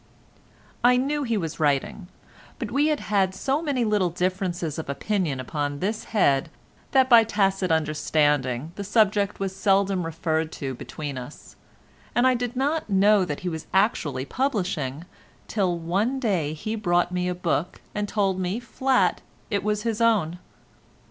I knew he was writing, but we had had so many little differences of opinion upon this head that by a tacit understanding the subject was seldom referred to between us, and I did not know that he was actually publishing till one day he brought me a book and told me flat it was his own.